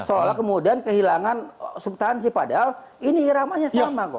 seolah olah kemudian kehilangan subtansi padahal ini iramanya sama kok